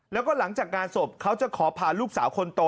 แล้วก็หลังจากงานศพเขาจะขอพาลูกสาวคนโต